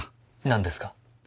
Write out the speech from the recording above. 何ですか？